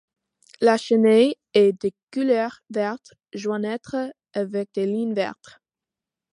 La chenille est de couleur verte jaunâtre avec des lignes vertes.